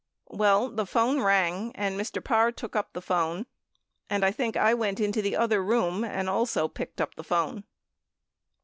Well, the phone rang and Mr. Parr took up the phone and I think I went into the other room and also picked up the phone.